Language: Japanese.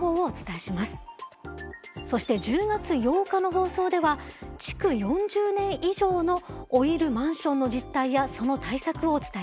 そして１０月８日の放送では築４０年以上の老いるマンションの実態やその対策をお伝えします。